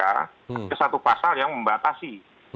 ada satu pasal yang membatasi